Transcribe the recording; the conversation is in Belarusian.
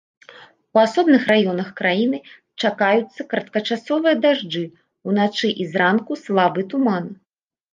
У асобных раёнах краіны чакаюцца кароткачасовыя дажджы, уначы і зранку слабы туман.